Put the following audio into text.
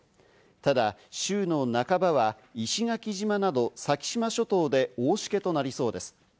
ただ週の半ばは、石垣島など先島諸島で大しけとなりそうです。